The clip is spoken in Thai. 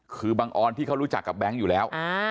คือบังออนที่เขารู้จักกับแบงค์อยู่แล้ว